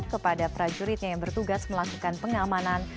kepada prajuritnya yang bertugas melakukan pengamanan